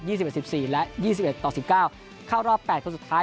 สิบเอ็ดสิบสี่และยี่สิบเอ็ดต่อสิบเก้าเข้ารอบแปดคนสุดท้าย